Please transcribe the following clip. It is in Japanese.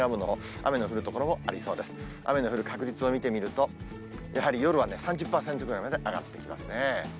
雨の降る確率を見てみると、やはり夜は３０％ぐらいまで上がってきますね。